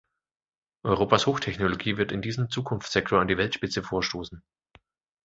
Europas Hochtechnologie wird in diesem Zukunftssektor an die Weltspitze vorstoßen.